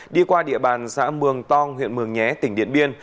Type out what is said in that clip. đi qua địa bàn xã mường tong huyện mường nhé tỉnh điện biên